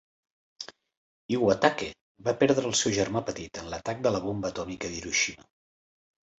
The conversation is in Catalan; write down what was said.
Iwatake va perdre el seu germà petit en l'atac de la bomba atòmica d'Hiroshima.